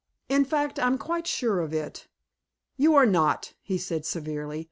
In fact, I'm quite sure of it." "You are not," he said severely.